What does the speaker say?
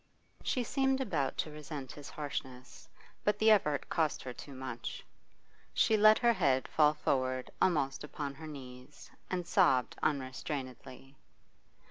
She seemed about to resent his harshness, but the effort cost her too much. She let her head fall forward almost upon her knees and sobbed unrestrainedly.